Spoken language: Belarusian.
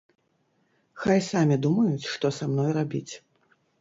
Хай самі думаюць, што са мной рабіць.